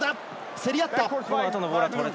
競り合った。